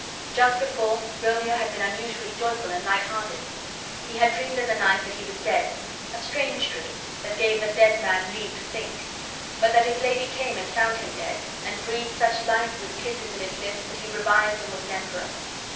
Just before, Romeo had been unusually joyful and light hearted. He had dreamed in the night that he was dead (a strange dream, that gave a dead man leave to think) and that his lady came and found him dead, and breathed such life with kisses in his lips that he revived and was an emperor!